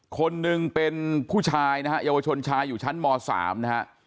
คนหนึ่งเป็นผู้ชายนะฮะเยาวชนชายอยู่ชั้นม๓นะฮะ